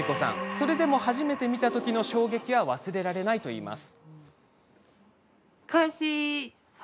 それでも初めて見たときの衝撃は忘れられないといいます。